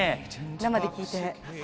生で聴いて。